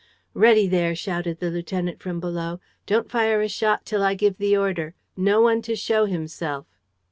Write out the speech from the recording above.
"Ready there!" shouted the lieutenant from below. "Don't fire a shot till I give the order. No one to show himself!"